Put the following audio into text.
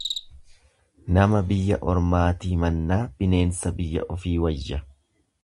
Nama biyya ormaatii mannaa bineensa biyya ofii wayya.